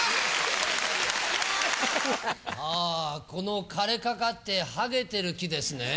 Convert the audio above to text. あこの枯れかかってハゲてる木ですね？